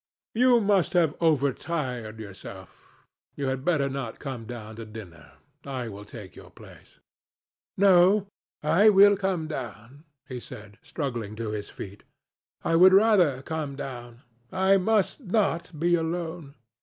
You must have overtired yourself. You had better not come down to dinner. I will take your place." "No, I will come down," he said, struggling to his feet. "I would rather come down. I must not be alone."